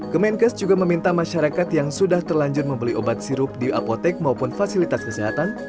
kemenkes juga meminta masyarakat yang sudah terlanjur membeli obat sirup di apotek maupun fasilitas kesehatan